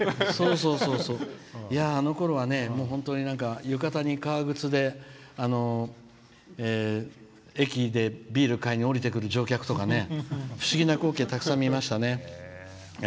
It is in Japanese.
あのころは本当に浴衣に革靴で駅で、ビール買いに降りてくる乗客とか不思議な光景をたくさん見ましたね。